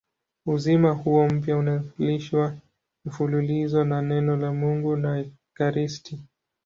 Uzima huo mpya unalishwa mfululizo na Neno la Mungu na ekaristi.